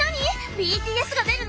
ＢＴＳが出るの？